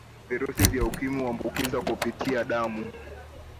virusi vya ukimwi huambukizwa kupitia damu